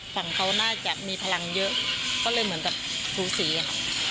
ฝั่งเขาน่าจะมีพลังเยอะก็เลยเหมือนกับสูสีค่ะ